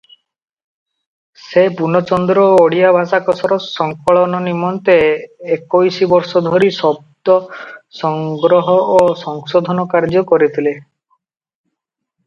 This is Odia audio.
ସେ ପୂର୍ଣ୍ଣଚନ୍ଦ୍ର ଓଡ଼ିଆ ଭାଷାକୋଷର ସଂକଳନ ନିମନ୍ତେ ଏକୋଇଶି ବର୍ଷ ଧରି ଶବ୍ଦ ସଂଗ୍ରହ ଓ ସଂଶୋଧନ କାର୍ଯ୍ୟ କରିଥିଲେ ।